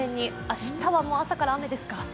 明日は朝から雨ですか？